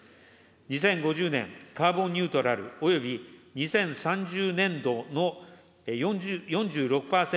２０５０年カーボンニュートラルおよび２０３０年度の４６％